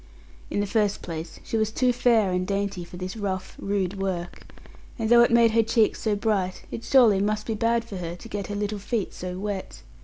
In the first place, she was too fair and dainty for this rough, rude work; and though it made her cheeks so bright, it surely must be bad for her to get her little feet so wet.